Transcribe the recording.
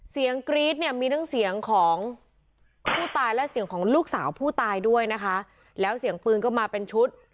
เสียงกรี๊ดมีสามลูกสาวผู้ตายด้วยนะคะเสียงพื้นก็เป็นชุด